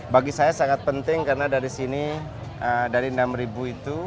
bagi saya sangat penting karena dari sini dari enam itu